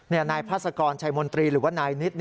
นายพาสกรชัยมนตรีหรือว่านายนิด